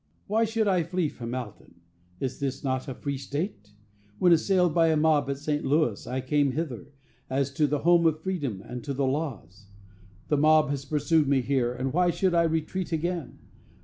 "Why should I flee from Alton? Is not this a free state? When assailed by a mob at St. Louis, I came hither, as to the home of freedom and of the laws. The mob has pursued me here, and why should I retreat again?